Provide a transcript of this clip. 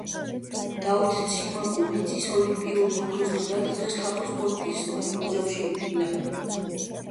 დავით ციმაკურიძის ოლიმპიური ოქროს მედალი დღეს ქართული სპორტის მუზეუმში ინახება.